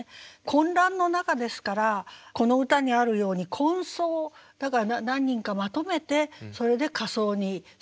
混乱の中ですからこの歌にあるように「混葬」だから何人かまとめてそれで火葬にせざるをえなかった。